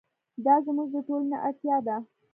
دا زموږ د ټولنې اړتیا ده.